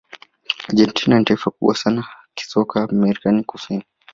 argentina ni taifa kubwa sana kisoka amerika kusini